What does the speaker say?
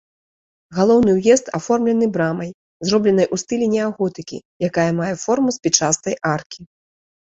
Галоўны ўезд аформлены брамай, зробленай у стылі неаготыкі, якая мае форму спічастай аркі.